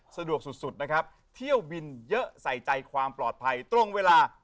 สะดวกสุดนะครับเที่ยวบินเยอะใส่ใจความปลอดภัยตรงเวลา